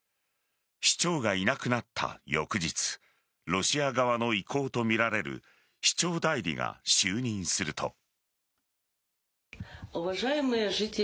市長がいなくなった翌日ロシア側の意向とみられる市長代理が就任すると。